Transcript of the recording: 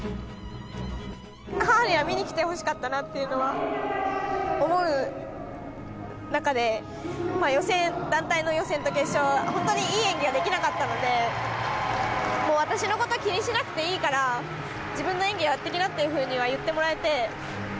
母には見に来てほしかったなっていうのは思う中で団体、予選、決勝といい演技ができなかったので、もう私のことは気にしなくていいから、自分の演技をやってきなっては言ってもらえて。